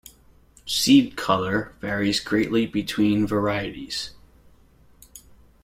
Seed color varies greatly between varieties.